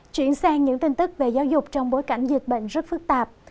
chuyển sang những tin tức về giáo dục trong bối cảnh dịch bệnh rất phức tạp